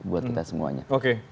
buat kita semuanya